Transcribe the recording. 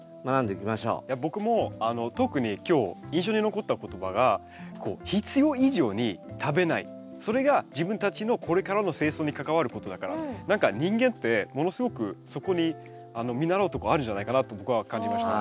僕も特に今日印象に残った言葉がそれが自分たちのこれからの生存に関わることだから何か人間ってものすごくそこに見習うとこあるんじゃないかなと僕は感じました。